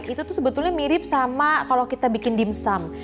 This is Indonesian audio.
itu tuh sebetulnya mirip sama kalau kita bikin dimsum